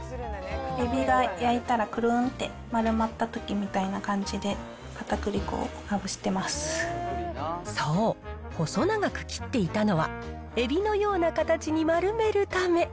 エビは焼いたら、くるんって丸まったときみたいな感じで、かそう、細長く切っていたのは、エビのような形に丸めるため。